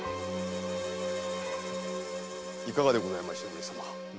⁉いかがでございましょう上様？